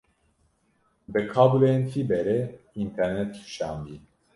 Bi kabloyên fîberê înternet kişandiye.